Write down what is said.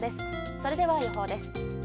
それでは予報です。